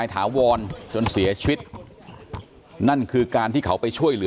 ไปทำแผนจุดเริ่มต้นที่เข้ามาที่บ่อนที่พระราม๓ซอย๖๖เลยนะครับทุกผู้ชมครับ